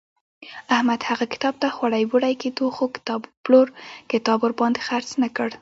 احمد هغه کتاب ته خوړی بوړی کېدو خو کتابپلور کتاب ورباندې خرڅ نه کړ.